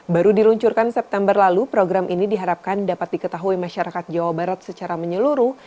baru diluncurkan september lalu program ini diharapkan dapat diketahui masyarakat jawa barat secara menyeluruh